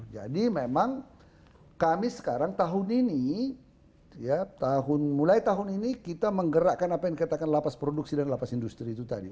jadi memang kami sekarang tahun ini mulai tahun ini kita menggerakkan apa yang dikatakan lapas produksi dan lapas industri itu tadi